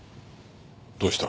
どうした？